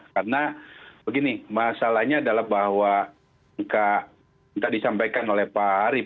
karena begini masalahnya adalah bahwa tidak disampaikan oleh pak arief